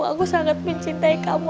aku sangat mencintai kamu